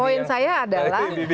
poin saya adalah